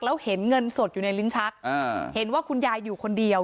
แล้วเห็นเงินสดอยู่ในลิ้นชักอ่าเห็นว่าคุณยายอยู่คนเดียว